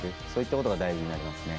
そういったことが大事になります。